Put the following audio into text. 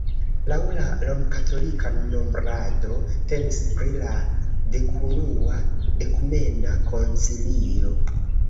Laŭ la romkatolika nombrado temis pri la dekunua ekumena koncilio.